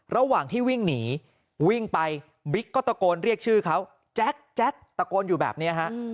ระหว่างที่วิ่งหนีวิ่งไปบิ๊กก็ตะโกนเรียกชื่อเขาแจ๊กตะโกนอยู่แบบนี้ฮะ